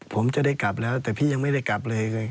ผมจะได้กลับแล้วแต่พี่ยังไม่ได้กลับเลย